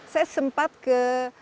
saya sempat ke